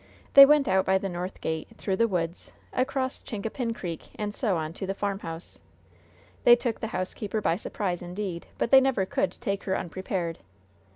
They went out by the north gate, through the woods, across Chincapin Creek, and so on to the farmhouse. They took the housekeeper by surprise indeed; but they never could take her unprepared.